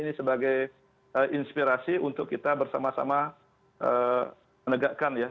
ini sebagai inspirasi untuk kita bersama sama menegakkan ya